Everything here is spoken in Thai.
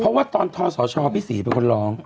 เพราะว่าตอนทศชพี่ศรีเป็นคนร้อง